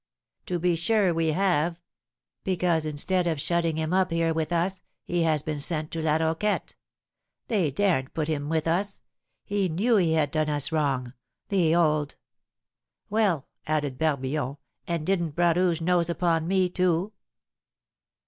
To be sure we have; because, instead of shutting him up here with us, he has been sent to La Roquette. They daren't put him with us; he knew he had done us wrong, the old " "Well," added Barbillon, "and didn't Bras Rouge nose upon me, too?"